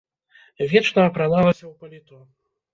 Вечна апраналася ў паліто.